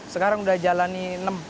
sekarang udah jalani enam